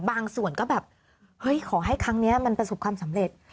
บางส่วนก็แบบเฮ้ยขอให้ครั้งนี้มันประสบความสำเร็จ